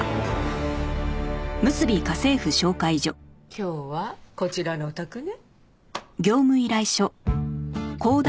今日はこちらのお宅ね。